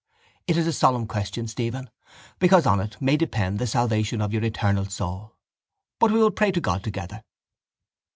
It is a solemn question, Stephen, because on it may depend the salvation of your eternal soul. But we will pray to God together.